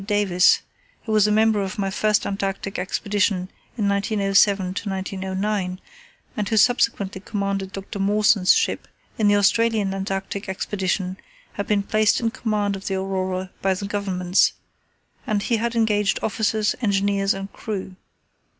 Davis, who was a member of my first Antarctic Expedition in 1907–1909, and who subsequently commanded Dr. Mawson's ship in the Australian Antarctic Expedition, had been placed in command of the Aurora by the Governments, and he had engaged officers, engineers, and crew.